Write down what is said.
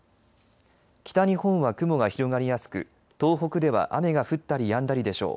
北日本は雲が広がりやすく東北では雨が降ったりやんだりでしょう。